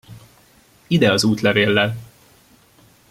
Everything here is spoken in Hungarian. Ide az útlevéllel!